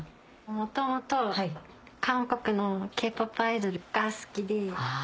もともと韓国のＫ−ＰＯＰアイドルが好きで。